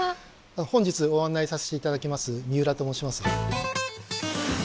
本日ご案内させて頂きます三浦と申します。